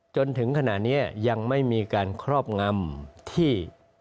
จนถึงขณะนี้ยังไม่มีการครอบงำที่